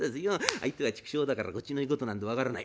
相手は畜生だからこっちの言うことなんぞ分からない。